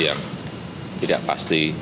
yang tidak pasti